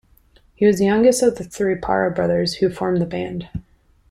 He was the youngest of the three Parra brothers who formed the band.